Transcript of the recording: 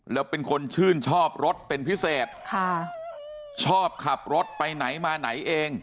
แล้วเป็นคนชื่นชอบรถเป็นพิเศษค่ะชอบขับรถไปไหนมาไหนเอง